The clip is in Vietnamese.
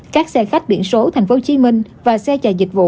các xe khách biển số tp hcm và xe chạy dịch vụ